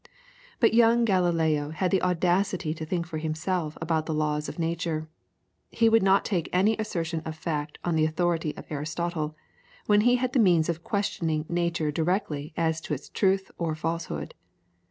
But young Galileo had the audacity to think for himself about the laws of nature. He would not take any assertion of fact on the authority of Aristotle when he had the means of questioning nature directly as to its truth or falsehood.